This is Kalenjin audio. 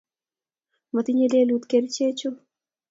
motinyei lelut kerichechu